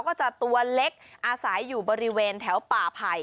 ก็จะตัวเล็กอาศัยอยู่บริเวณแถวป่าไผ่